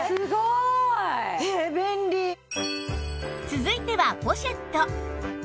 続いてはポシェット